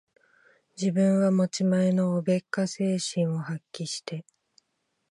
自分は持ち前のおべっか精神を発揮して、